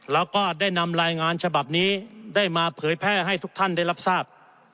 แล้วก็ได้นำรายงานฉบับนี้ได้มาเผยแพร่ให้ทุกท่านได้รับทราบ